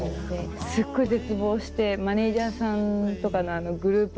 すっごい絶望してマネジャーさんとかのグループ